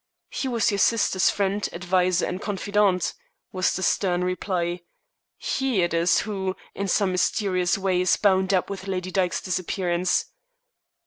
"He was your sister's friend, adviser, and confidant," was the stern reply. "He it is who, in some mysterious way, is bound up with Lady Dyke's disappearance."